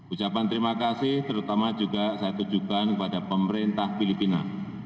ucapan terima kasih terutama juga saya tujukan kepada pemerintah filipina